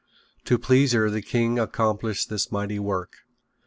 To please her the king accomplished this mighty work.